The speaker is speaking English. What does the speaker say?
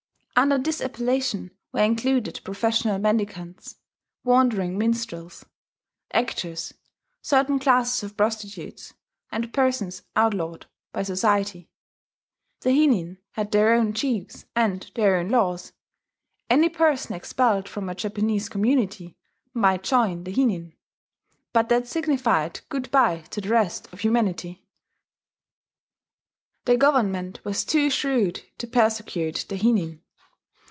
Under this appellation were included professional mendicants, wandering minstrels, actors, certain classes of prostitutes, and persons outlawed by society. The hinin had their own chiefs, and their own laws. Any person expelled from a Japanese community might join the hinin; but that signified good by to the rest of humanity. The Government was too shrewd to persecute the hinin.